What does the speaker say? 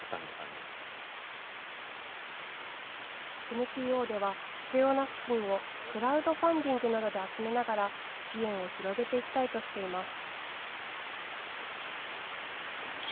ＮＰＯでは必要な資金をクラウドファンディングなどで集めながら支援を広げていきたいとしています。